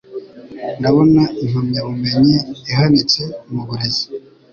Ndabona impamyabumenyi ihanitse mu burezi.